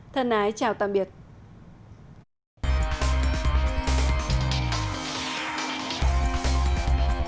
thân ái chào tạm biệt